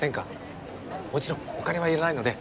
もちろんお金はいらないので。